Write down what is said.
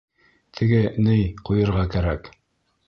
Теге... ней ҡуйырға кәрәк.